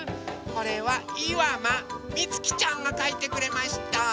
これはいわまみつきちゃんがかいてくれました。